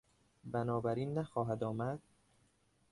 بنابراین نخواهد آمد؟